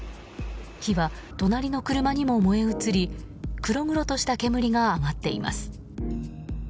火は隣の車にも燃え移り黒々とした煙が上がっています。